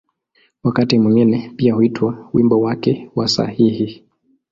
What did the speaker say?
Wakati mwingine pia huitwa ‘’wimbo wake wa sahihi’’.